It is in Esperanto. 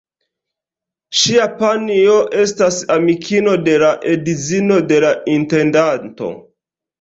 Ŝia panjo estas amikino de la edzino de la intendanto.